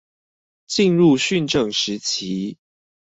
進入訓政時期